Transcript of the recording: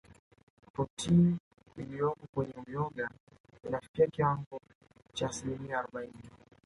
Protini iliyoko kwenye Uyoga inafikia kiwango cha asilimia arobaini